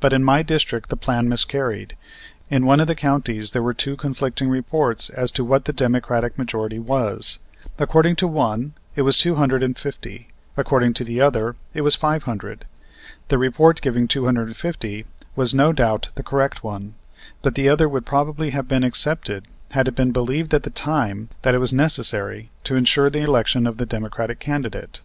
But in my district the plan miscarried. In one of the counties there were two conflicting reports as to what the Democratic majority was; according to one, it was two hundred and fifty, according to the other, it was five hundred. The report giving two hundred and fifty was, no doubt, the correct one, but the other would probably have been accepted had it been believed at the time that it was necessary to insure the election of the Democratic candidate.